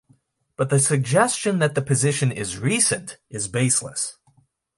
But the suggestion that the position is 'recent' is baseless.